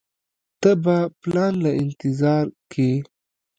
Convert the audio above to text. ته به پلان له انتظار کيې.